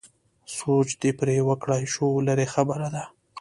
سوچ دې پرې وکړای شو لرې خبره ده.